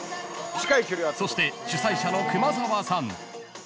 ［そして主催者の熊澤さん］